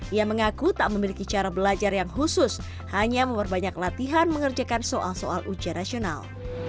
ia mengaku tak memiliki cara belajar yang khusus hanya memperbanyak latihan mengerjakan soal soal ujian nasional